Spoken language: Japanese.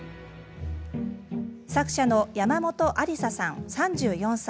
作者のやまもとありささん３４歳。